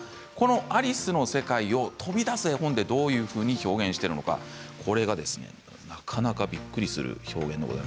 このアリスの世界を飛び出す絵本でどんなふうに表現しているのかなかなか、びっくりしますよ。